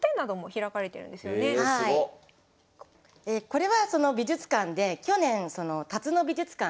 これはその美術館で去年辰野美術館